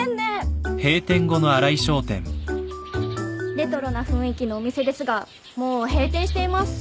レトロな雰囲気のお店ですがもう閉店しています。